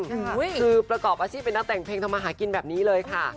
คือประกอบอาชีพเป็นนักแต่งเพลงทำมาหากินแบบนี้เลยค่ะ